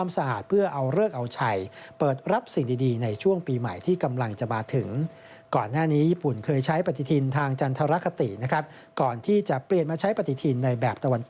เมื่อกว่า๑๐๐ปีก่อนครับ